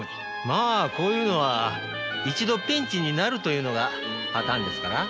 まあこういうのは一度ピンチになるというのがパターンですから。